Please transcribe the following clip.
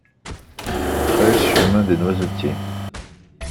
treize chemin Dès Noisetiers